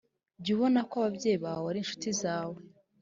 Jya ubona ko ababyeyi bawe ari incuti zawe